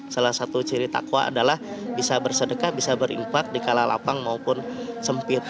salah satu ciri takwa adalah bisa bersedekah bisa berimpak di kala lapang maupun sempit